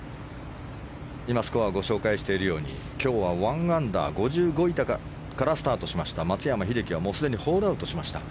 今、スコアをご紹介しているように今日は１アンダー、５５位からスタートしました、松山英樹はすでにホールアウトしました。